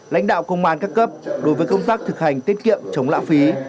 lãnh đạo công an các cấp đối với công tác thực hành tiết kiệm chống lãng phí